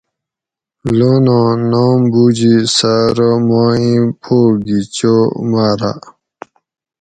لوناں نام بوجی سہ ارو ماں ایں پو گھی چو ماۤراۤ